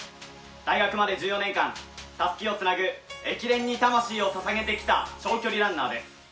大学まで１４年間たすきをつなぐ駅伝に魂をささげてきた長距離ランナーです。